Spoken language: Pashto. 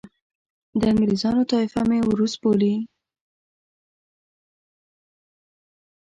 د انګریزانو طایفه مې اوروس بولي.